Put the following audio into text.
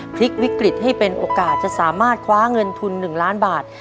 พลิกวิกฤตให้เป็นโอกาสจะสามารถคว้าเงินทุน๑ล้านบาท